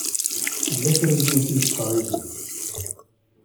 Tella kra n yiwet i yettfeṛṛiǧen.